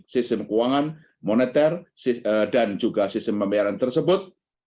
sistem keuangan moneter dan juga sistem pembayaran tersebut